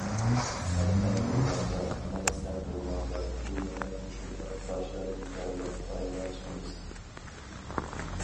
- سەن مەن بولغاندا، مەن سەن بولغاندا، ئۇ يەنە مۇشۇنداق باشلار ھېكايە: ئايغا چىقىمىز.